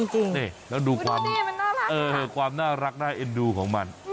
ใช่จริงแล้วดูความมันน่ารักค่ะเออความน่ารักน่าเอ็นดูของมัน